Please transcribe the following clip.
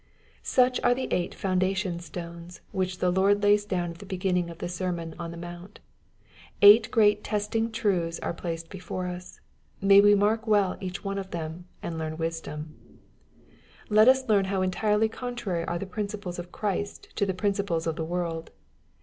'* Such are the 3ight foundation stones, which the Lord lays down at the beginning of the sermon on the mount. Eight great testing truths are placed before us. May we mark well each one of them, and learn wisdom 1 Let us learn how entirely contrary ar^ the principles of Christ to the principles of the world.